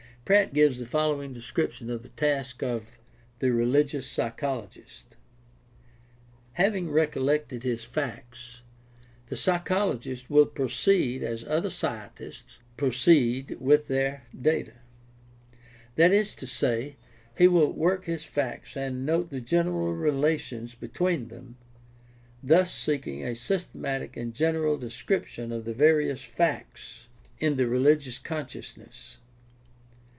Pratt gives the following description of the task of the religious psychologist: Having collected his facts, the psychologist will proceed as other scientists proceed with their data. That is to say, he will group his facts and note the general relations between them, thus seeking a sys tematic and general description of the various facts in the religious consciousness.